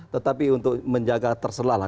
tetapi untuk menjaga terserah lah